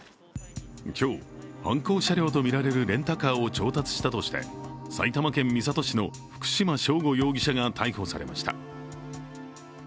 今日、犯行車両とみられるレンタカーを調達したとして埼玉県三郷市の福島聖悟容疑者が逮捕されました。